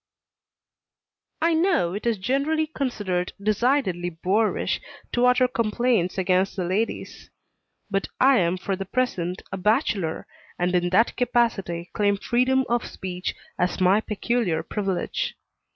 I know it is generally considered decidedly boorish to utter complaints against the ladies. But I am for the present a bachelor, and in that capacity claim freedom of speech as my peculiar privilege.